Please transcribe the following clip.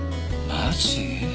マジ？